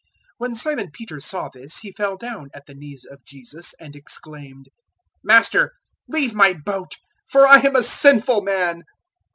005:008 When Simon Peter saw this, he fell down at the knees of Jesus, and exclaimed, "Master, leave my boat, for I am a sinful man."